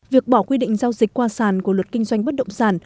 việc bỏ quy định giao dịch qua sản của luật kinh doanh bất động sản